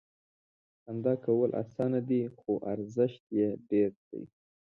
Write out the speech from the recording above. • خندا کول اسانه دي، خو ارزښت یې ډېر دی.